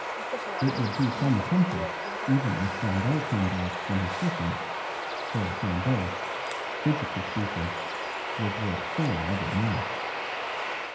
It would be some comfort even if Flambeau came back from his fishing, for Flambeau, physically speaking, was worth four other men.